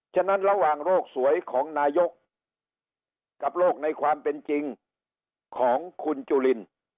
ฉะนั้นระหว่างโลกสวยของนายกกับโลกในความเป็นจริงของคุณจุลิน